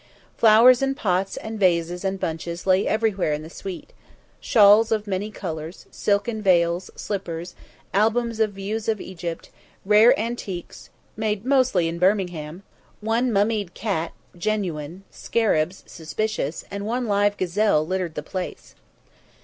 Flowers in pots and vases and bunches lay everywhere in the suite; shawls of many colours, silken veils, slippers, albums of views of Egypt, rare antiques (made mostly in Birmingham), one mummied cat (genuine), scarabs (suspicious), and one live gazelle littered the place.